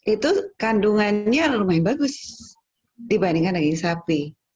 itu kandungannya lumayan bagus dibandingkan daging sapi